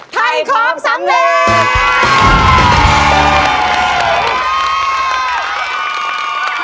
ไทยความสำเร็จ